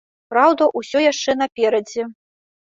Праўда, усё яшчэ наперадзе.